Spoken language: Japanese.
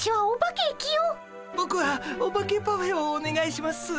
ボクはオバケパフェをおねがいします。